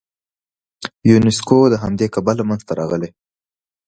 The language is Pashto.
یونسکو د همدې کبله منځته راغلی.